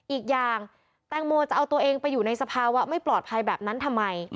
อีกอย่างแตงโมจะเอาตัวเองไปอยู่ในสภาวะไม่ปลอดภัยแบบนั้นทำไม